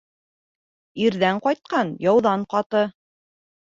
Ирҙән ҡайтҡан яуҙан ҡаты.